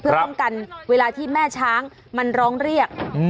เพื่อป้องกันเวลาที่แม่ช้างมันร้องเรียก